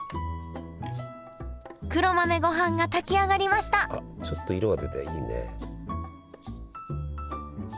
黒豆ごはんが炊き上がりましたあっちょっと色が出ていいね。